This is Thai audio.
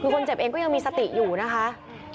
คือคนเจ็บเองก็ยังมีสติอยู่นะคะ